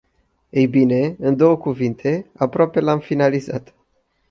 Ei bine, în două cuvinte, aproape l-am finalizat.